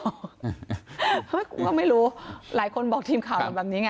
เห้ยกูก็ไม่รู้หลายคนบอกทีมข่าวแบบนี้ไง